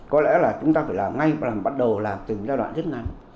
có lẽ là chúng ta phải bắt đầu làm từng giai đoạn rất ngắn